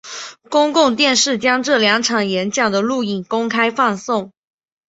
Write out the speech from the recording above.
公共电视将这两场演讲的录影公开放送。